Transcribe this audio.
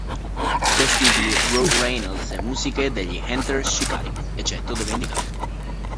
Testi di Rou Reynolds e musiche degli Enter Shikari, eccetto dove indicato.